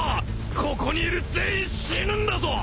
ここにいる全員死ぬんだぞ！